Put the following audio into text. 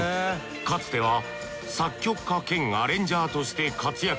かつては作曲家兼アレンジャーとして活躍。